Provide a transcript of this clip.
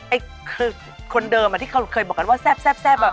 ไอ้คนเดิมอ่ะที่เขาเคยบอกกันว่าแทบว่า